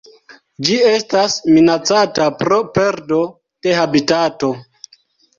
Ĝi estas minacata pro perdo de habitato.